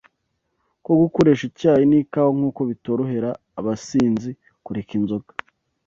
ko gukoresha icyayi n’ikawa nk’uko bitorohera abasinzi kureka inzoga